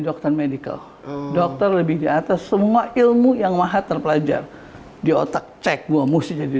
dokter medical dokter lebih di atas semua ilmu yang maha terpelajar di otak cek gue mesti jadi